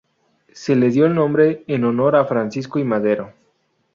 Se le dio el nombre en honor a Francisco I. Madero.